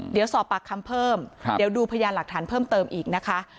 เดี๋ยวสอบปากคำเพิ่มเดี๋ยวดูพยานหลักฐานเพิ่มเติมอีกนะคะ